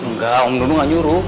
nggak om dudung nggak nyuruh